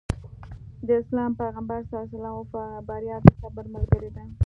د اسلام پيغمبر ص وفرمايل بريا د صبر ملګرې ده.